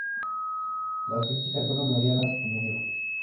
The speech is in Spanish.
Las críticas fueron medianas y mediocres.